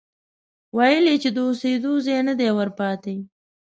ويل يې چې د اوسېدو ځای نه دی ورپاتې،